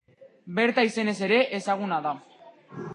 Berta izenez ere ezaguna da.